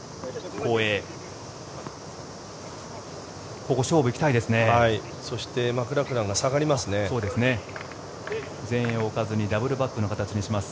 前衛を置かずにダブルバックの形にします。